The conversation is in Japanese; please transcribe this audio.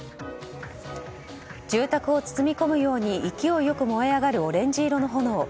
住宅を包み込むように勢いよく燃え上がるオレンジ色の炎。